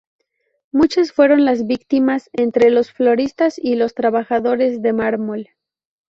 Muchas fueron las víctimas entre los floristas y los trabajadores de mármol.